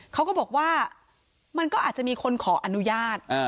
เขาก็บอกว่ามันก็อาจจะมีคนขออนุญาต